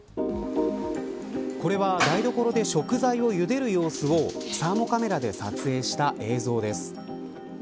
これは、台所で食材をゆでる様子をサーモカメラで撮影した映像です。